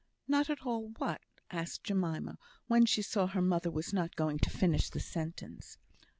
"Not all what?" asked Jemima, when she saw her mother was not going to finish the sentence.